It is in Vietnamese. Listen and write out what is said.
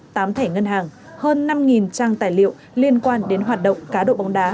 tám thẻ ngân hàng hơn năm trang tài liệu liên quan đến hoạt động cá độ bóng đá